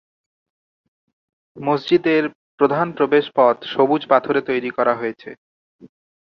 মসজিদের প্রধান প্রবেশপথ সবুজ পাথরে তৈরি করা হয়েছে।